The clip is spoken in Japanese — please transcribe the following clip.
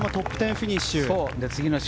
フィニッシュ